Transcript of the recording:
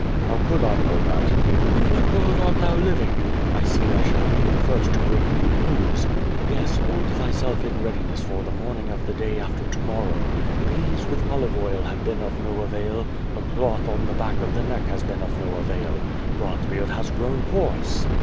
"How could I know that?" "In what world art thou living? I see I sliall 1)e the first to bring thee news. Yes, hold thyself in readiness for the morning of the day after to morrow. Peas with olive oil have been of no avail, a cloth on the back of the neck has been of no avail. Bronzebeard has grown hoarse.